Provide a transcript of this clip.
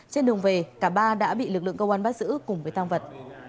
trên đường về cả ba đã bị lực lượng cơ quan bắt giữ cùng với tăng vật